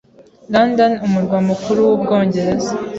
London, umurwa mukuru w’Ubwongereza,